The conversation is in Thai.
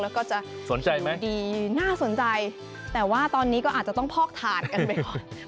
แล้วก็จะสนใจไหมดีน่าสนใจแต่ว่าตอนนี้ก็อาจจะต้องพอกถาดกันไปก่อน